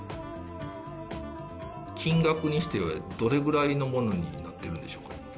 金額にして、どれぐらいのものになってるんでしょうか。